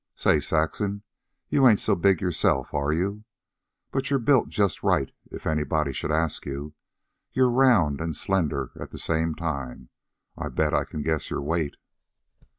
Say, Saxon, you ain't so big yourself, are you? But you're built just right if anybody should ask you. You're round an' slender at the same time. I bet I can guess your weight."